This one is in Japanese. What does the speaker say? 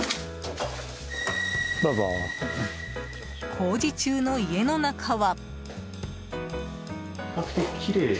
工事中の家の中は。